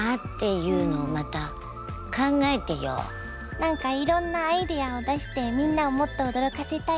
何かいろんなアイデアを出してみんなをもっと驚かせたいなとも思いました。